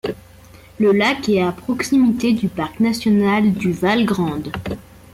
Le lac est à proximité du parc national du Val Grande.